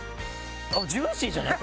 「ジューシー」じゃない？